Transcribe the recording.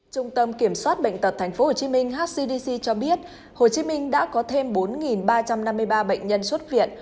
trung tâm kiểm soát bệnh tật tp hcm hcdc cho biết hồ chí minh đã có thêm bốn ba trăm năm mươi ba bệnh nhân xuất viện